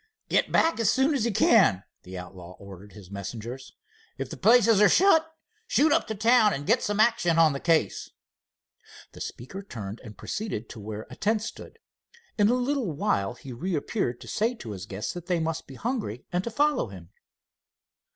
"Get back soon as you can," the outlaw ordered his messengers. "If the places are shut, shoot up the town and get some action on the case." The speaker turned and proceeded to where a tent stood. In a little while he reappeared to say to his guests that they must be hungry and to follow him.